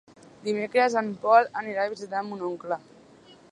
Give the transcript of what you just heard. Dimecres en Pol anirà a visitar mon oncle.